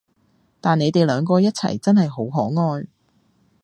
但你哋兩個一齊真係好可愛